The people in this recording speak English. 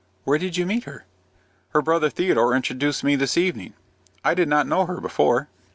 "Where did you meet her?" "Her brother Theodore introduced me this evening. I did not know her before."